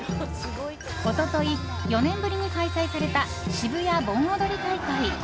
一昨日、４年ぶりに開催された渋谷盆踊り大会。